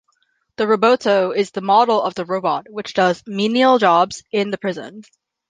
The Roboto is a model of robot which does menial jobs in the prison.